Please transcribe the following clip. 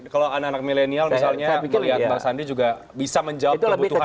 kalau anak anak milenial misalnya lihat pak sandi juga bisa menjawab kebutuhan mereka